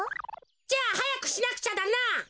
じゃあはやくしなくちゃだな！